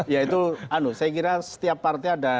ya itu anu saya kira setiap partai ada